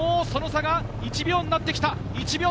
もうその差が１秒になってきた。